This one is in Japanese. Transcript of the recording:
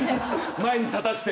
前に立たせて。